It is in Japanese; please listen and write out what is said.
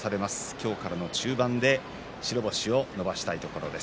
今日からの中盤で白星を伸ばしたいところです。